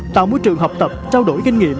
tạo môi trường học tập trao đổi kinh nghiệm